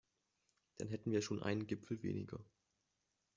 Dann hätten wir schon einen Gipfel weniger.